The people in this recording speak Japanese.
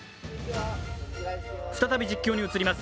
再び実況に移ります。